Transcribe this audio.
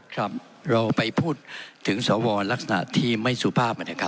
ครับเราไปพูดถึงสวลักษณะที่ไม่สุภาพนะครับ